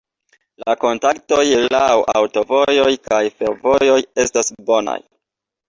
La kontaktoj laŭ aŭtovojoj kaj fervojoj estas bonaj.